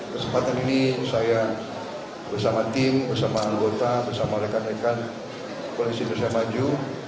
kesempatan ini saya bersama tim bersama anggota bersama rekan rekan koalisi indonesia maju